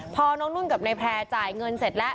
พอน้องนุ่นกับนายแพร่จ่ายเงินเสร็จแล้ว